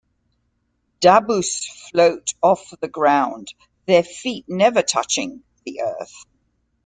Dabus float off the ground, their feet never touching the earth.